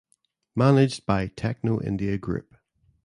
Managed by Techno India group.